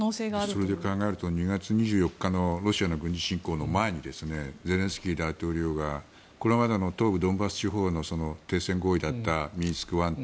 それで考えると２月２４日のロシアの軍事侵攻の前にゼレンスキー大統領がこれまでの東部のドンバス地方の停戦合意だったミンスク１、２。